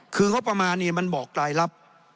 คือก็ประมาณนี้มันบอกรายรับ